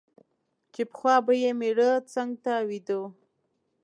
چي پخوا به یې مېړه څنګ ته ویده وو